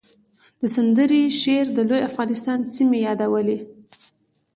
د سندرې شعر د لوی افغانستان سیمې یادولې